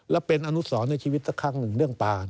และเป็นอนุสรในชีวิตสักครั้งหนึ่งเรื่องป่า